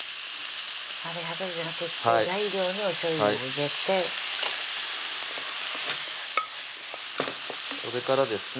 鍋肌じゃなくて材料におしょうゆを入れてそれからですね